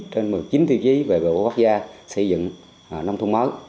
một mươi chín trên một mươi chín tiêu chí về bộ quốc gia xây dựng nông thuần mới